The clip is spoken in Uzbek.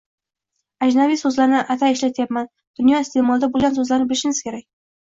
Ajnabiy so‘zlarni atay ishlatyapman – dunyo iste’molida bo‘lgan so‘zlarni bilishimiz kerak.